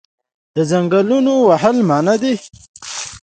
د ځنګلونو وهل منع دي